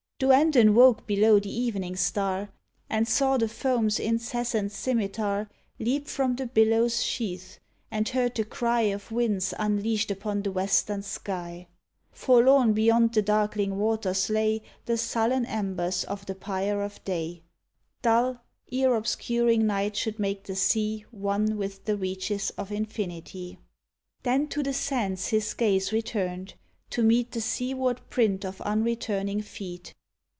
.. Duandon woke below the evening star. And saw the foam's incessant scimetar Leap from the billow's sheath, and heard the cry 18 DUJNDON Of winds unleashed upon the western sky; Forlorn beyond the darkling waters lay The sullen embers of the pyre of Day — Dull, ere obscuring night should make the sea One with the reaches of infinity; Then to the sands his gaze returned, to meet The seaward print of unretuming feet.